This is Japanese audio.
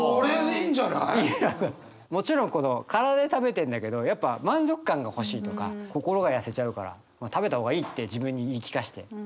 もちろんこの体で食べてるんだけどやっぱ満足感が欲しいとか「心がやせちゃうから食べたほうがいい」って自分に言い聞かせて。